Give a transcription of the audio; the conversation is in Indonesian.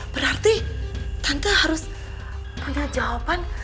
berarti tante harus ada jawaban